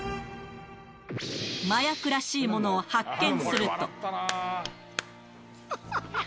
麻薬らしいものを発見すると。